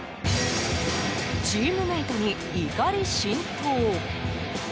チームメートに怒り心頭？